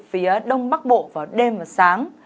phía đông bắc bộ vào đêm và sáng